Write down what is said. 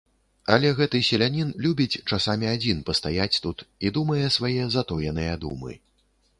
Але гэты селянін любіць часамі адзін пастаяць тут і думае свае затоеныя думы.